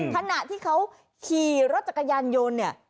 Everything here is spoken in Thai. ขณะที่เขาขี่รถจักรยานยนต์เนี่ย